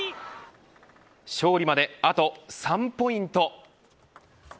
勝利まで、あと３ポイント。